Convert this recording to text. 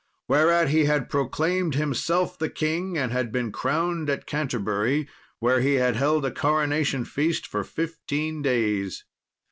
Whereat he had proclaimed himself the king, and had been crowned at Canterbury, where he had held a coronation feast for fifteen days.